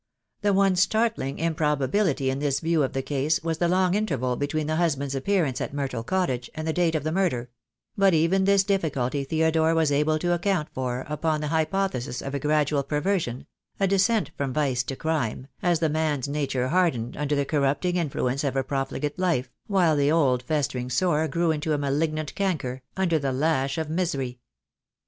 The one startling im probability in this view of the case was the long interval between the husband's appearance at Myrtle Cottage and the date of the murder; but even this difficulty Theodore was able to account for upon the hypothesis of a gradual perversion, a descent from vice to crime, as the man's nature hardened under the corrupting influence of a pro fligate life, while the old festering sore grew into a malignant canker, under the lash of misery.